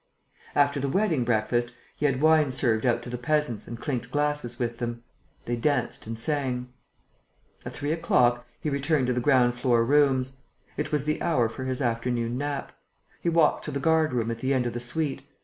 After the wedding breakfast, he had wine served out to the peasants and clinked glasses with them. They danced and sang. At three o'clock, he returned to the ground floor rooms. It was the hour for his afternoon nap. He walked to the guard room at the end of the suite.